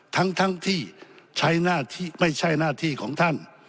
ทั้งที่ใช้หน้าที่ไม่ใช่หน้าที่ของท่าน